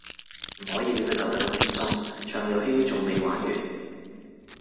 唔可以畀佢走得咁輕鬆，場遊戲仲未玩完